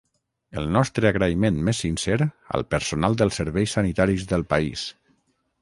El nostre agraïment més sincer al personal dels serveis sanitaris del país.